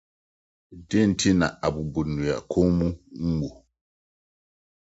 Dɛn Nti na Abobonnua Kɔn mu Mmu?